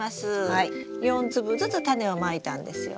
４粒ずつタネをまいたんですよね。